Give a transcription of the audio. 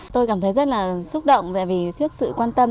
tôi cảm thấy rất là xúc động tại vì trước sự quan tâm